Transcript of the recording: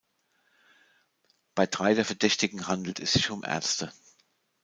Bei drei der Verdächtigen handelt es sich um Ärzte.